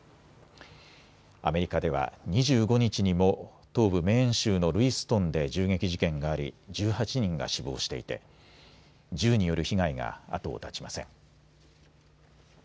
アメリカでは２５日にも東部メーン州のルイストンで銃撃事件があり１８人が死亡していて銃による被害が後を絶ちません。